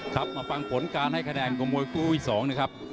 ครับมาฟังผลการให้คะแนนกลมมวยคู่อุ้ยสองนะครับ